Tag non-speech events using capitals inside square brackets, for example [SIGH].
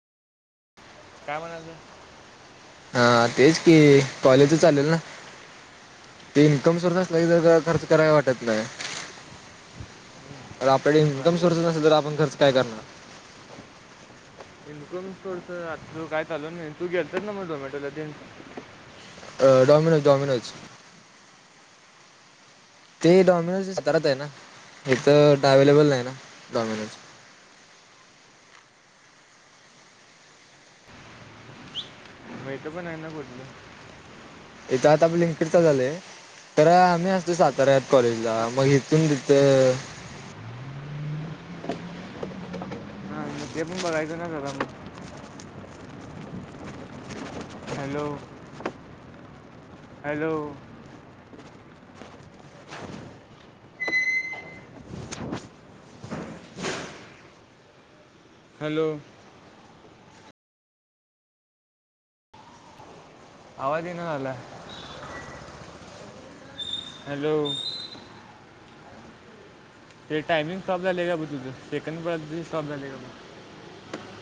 काय म्हणायचं हा तेच के कॉलेजच चालेल ना ते इन्कम सोर् अस नाही जर जा खर्च कराय वाटत नाही. तर आपल्याडे इन्कम सोर्सच बरं नसेल तर आपण खर्च काय करणार? इन्कम सोर्स आता तर काय चालू नाई, तू गेलतास ना मग झोमॅटोला तनऽ अह डॉमिनोज, डॉमिनोज, ते डॉमिनोज तारात आहे ना, हिथ अवे्लेबल नाही ना डॉमिनोज, [INAUDIBLE] म हीथं पण आहे ना कुठलं,, इथ आता आप लिंकड चालू झालंय,, तर आम्ही असतो साताऱ्यात, कॉलेजला, मग इथून तीथ,,,, हां ते पण बघयचं ना जरा मग,,, हॅलो, हॅलो,, [INAUDIBLE] हॅलो आवाज ईना झालाय,, हॅलो. ते टायमिंग स्टॉप झालेय का बग तुझं,,, सेकंड स्टॉप झालेय का बगऽऽ